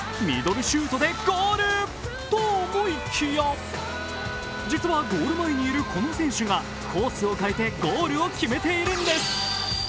ミドルシュートでゴールと思いきや、実は、ゴール前にいるこの選手がコースを変えてゴールを決めているってす。